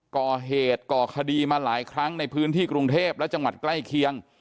ก่อเหตุก่อคดีมาหลายครั้งในพื้นที่กรุงเทพและจังหวัดใกล้เคียง